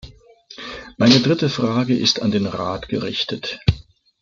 Meine dritte Frage ist an den Rat gerichtet.